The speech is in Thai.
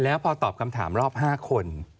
แล้วพอตอบคำถามรอบ๕คน